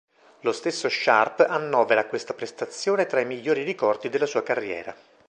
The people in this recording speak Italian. Lo stesso Sharpe annovera questa prestazione tra i migliori ricordi della sua carriera.